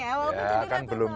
walaupun cedera tetap